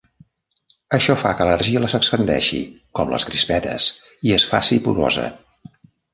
Això fa que l'argila s'expandeixi, com les crispetes, i es faci porosa.